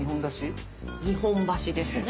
日本橋ですね。